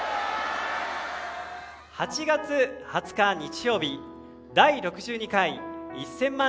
８月２０日、日曜日「第６２回１０００万